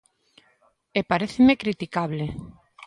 E paréceme criticable.